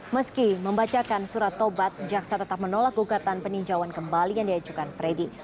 meski membacakan surat tobat jaksa tetap menolak gugatan peninjauan kembali yang diajukan freddy